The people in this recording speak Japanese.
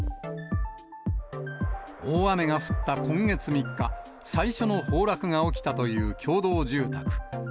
大雨が降った今月３日、最初の崩落が起きたという共同住宅。